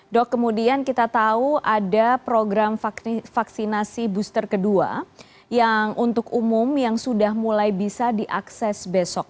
dok kemudian kita tahu ada program vaksinasi booster kedua yang untuk umum yang sudah mulai bisa diakses besok